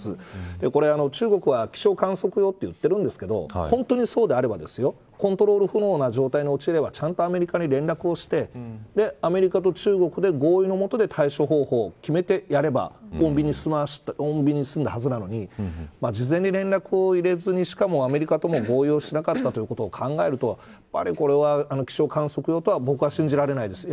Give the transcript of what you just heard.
これ、中国は気象観測用と言ってるんですけど本当にそうであればコントロール不能な状態に陥ればちゃんとアメリカに連絡してアメリカと中国と合意の下で対処法を決めてやれば穏便に済んだはずなのに事前に連絡を入れずにしかもアメリカとも合意しなかったということを考えるとやはり、これは気象観測用とは僕は信じられないです。